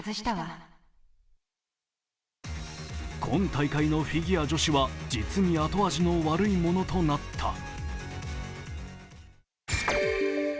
今大会のフィギュア女子は実に後味の悪いものとなった。